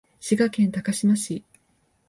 滋賀県高島市